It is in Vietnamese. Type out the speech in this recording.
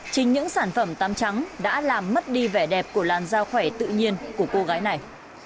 chính những sản phẩm tám trắng đã làm mất đi vẻ đẹp của làn giao khỏe tự nhiên của cô gái này